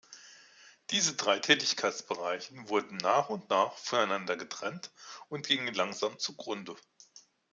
Diese drei Tätigkeitsbereiche wurden nach und nach voneinander getrennt und gingen langsam zugrunde.